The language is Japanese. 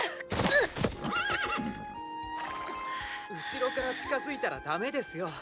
後ろから近づいたらだめですよ。